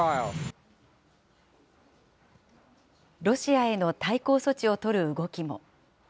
ロシアへの対抗措置を取る動きも。